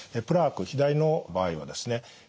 プラーク左の場合はですね